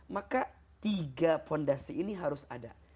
maka tiga fondasi ini harus ada